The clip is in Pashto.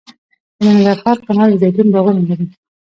د ننګرهار کانال د زیتون باغونه لري